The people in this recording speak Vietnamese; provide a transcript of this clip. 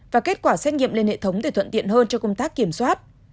và kết quả xét nghiệm lên hệ thống để thuận tiện hơn cho công tác kiểm soát